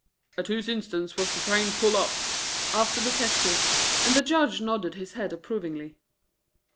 "At whose instance was the train pulled up?" asked the detective, and the Judge nodded his head approvingly.